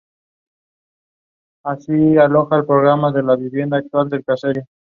La entrada sobre este buque puede ser consultada aquí